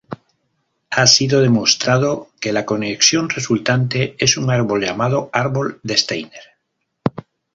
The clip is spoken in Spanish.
Ha sido demostrado que la conexión resultante es un árbol, llamado árbol de Steiner.